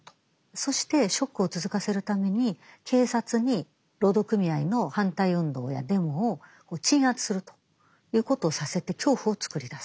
そしてショックを続かせるために警察に労働組合の反対運動やデモを鎮圧するということをさせて恐怖を作り出す。